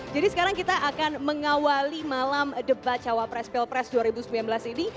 jadi sekarang kita akan mengawali malam debat cawa press pilpres dua ribu sembilan belas ini